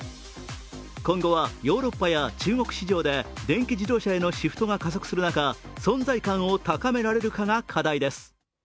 今後はヨーロッパや中国市場で電気自動車へのシフトが加速する中、存在感を高められるかが課題です。